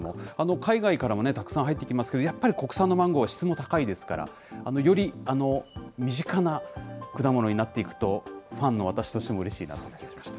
海外からもね、たくさん入ってきますけれども、やっぱり国産のマンゴー、質も高いですから、より身近な果物になっていくと、ファンの私としてもうれしいなと思って見ていました。